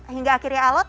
hingga akhirnya alat